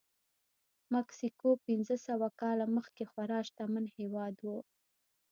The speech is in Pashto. مکسیکو پنځه سوه کاله مخکې خورا شتمن هېواد و.